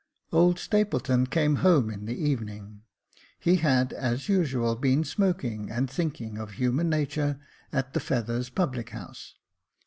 Old Stapleton came home in the evening. He had, as usual, been smoking, and thinking of human natur, at the Feathers public house.